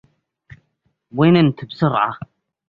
الموت في نفسي أغدو به وأجي